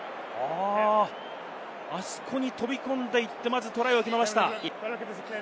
あそこに飛び込んでいってまず、決めました。